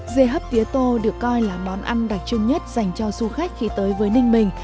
dê hấp tiếa tô được coi là món ăn đặc trưng nhất dành cho du khách khi tới với ninh bình